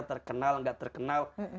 terkenal gak terkenal